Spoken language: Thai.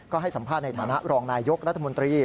ก็ให้สัมภาษณ์ในฐานะรองนายยกรัฐมนตรี